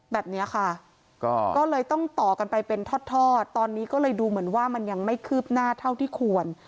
แบบนี้ค่ะก็เลยต้องต่อกันไปเป็นทอดตอนนี้ก็เลยดูเหมือนว่ามันยังไม่คืบหน้าเท่าที่ควร